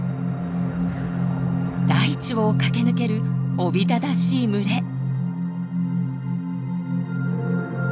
大地を駆け抜けるおびただしい群れ。